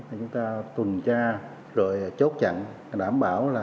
chúng ta tuần tra rồi chốt chặn đảm bảo là